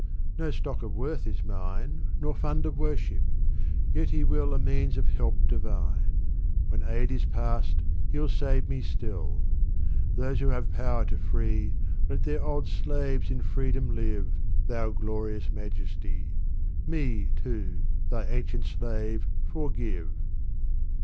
No stock of worth is mine. Nor fund of worship, yet He will A means of help divine ; When aid is past, He'll save me stilL Those who have power to free, Let their old slaves in freedom live, Thou Glorious Majesty ! Me, too, Thy ancient slave, forgive.